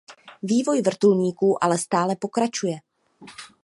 Vývoj vrtulníků ale stále pokračuje.